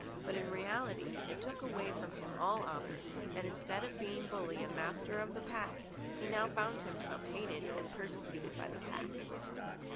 but in reality it took away from him all honour, and instead of being bully and master of the pack, he now found himself hated and persecuted by the pack.